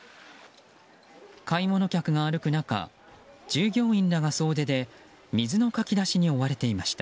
買い物客が歩く中従業員らが総出で水のかき出しに追われていました。